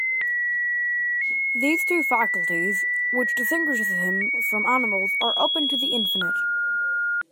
These two faculties, which distinguishes him from animals, are open to the infinite.